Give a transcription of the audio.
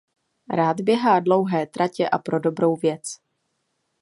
Rád běhá dlouhé tratě a pro dobrou věc.